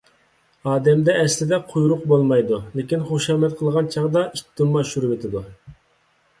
ئادەمدە ئەسلىدە قۇيرۇق بولمايدۇ، لېكىن خۇشامەت قىلغان چاغدا ئىتتىنمۇ ئاشۇرۇۋېتىدۇ.